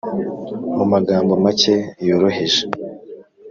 mu magambo make yoroheje